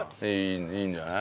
いいんじゃない？